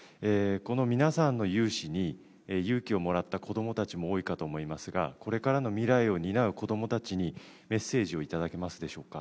皆さんの雄姿に勇気をもらった子供たちも多いかと思いますが、これからの未来を担う子供たちにメッセージをいただけますでしょうか。